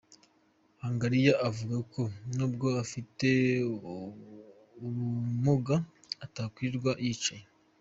Hangariya avuga ko nubwo afite ubumuga atakwirirwa yicaye.